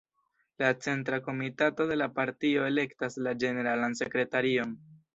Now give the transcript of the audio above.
La Centra Komitato de la partio elektas la Ĝeneralan Sekretarion.